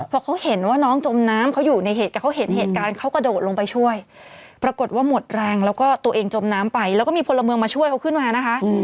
พอเขาเห็นว่าน้องจมน้ำเขาอยู่ในเหตุแต่เขาเห็นเหตุการณ์เขากระโดดลงไปช่วยปรากฏว่าหมดแรงแล้วก็ตัวเองจมน้ำไปแล้วก็มีพลเมืองมาช่วยเขาขึ้นมานะคะ